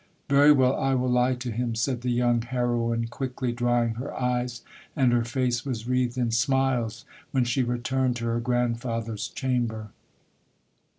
' Very well, I will lie to him !' said the young heroine, quickly drying her eyes, and her face was wreathed in smiles when she returned to her grandfather's chamber.